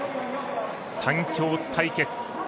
３強対決。